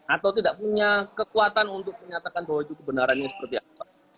atau tidak punya kekuatan untuk menyatakan bahwa itu kebenarannya seperti apa